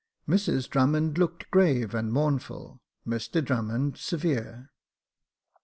Mrs Drummond looked grave and mournful ; Mr Drummond severe."